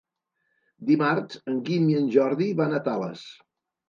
Dimarts en Guim i en Jordi van a Tales.